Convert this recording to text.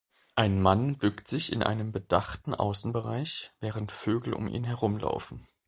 Ein Mann bückt sich in einem bedachten Außenbereich, während Vögel um ihn herumlaufen